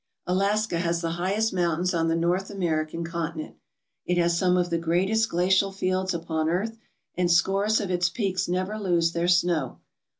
Alaska has the highest mountains on the North Amer ican continent. It has some of the greatest glacial fields upon earth, and scores of its peaks never lose their snow.